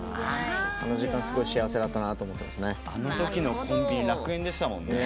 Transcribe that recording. あの時間、すごい幸せだなと思っていますね。